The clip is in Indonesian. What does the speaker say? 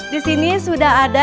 di sini sudah ada